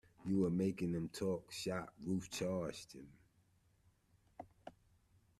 You were making them talk shop, Ruth charged him.